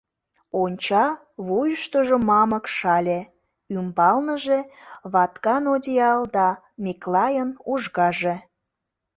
Онча — вуйыштыжо мамык шале, ӱмбалныже ваткан одеял да Миклайын ужгаже.